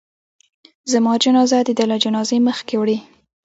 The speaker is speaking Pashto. زما جنازه د ده له جنازې مخکې وړئ.